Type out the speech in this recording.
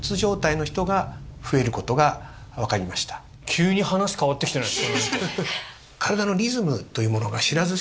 急に話変わってきてないですか？